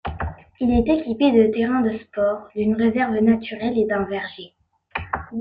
Il est équipé de terrains de sport, d’une réserve naturelle et d’un verger.